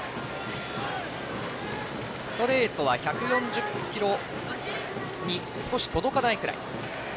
ストレートは１４０キロに少し届かないくらい。